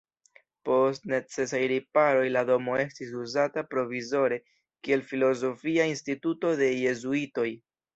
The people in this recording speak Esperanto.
Post necesaj riparoj la domo estis uzata provizore kiel filozofia instituto de jezuitoj.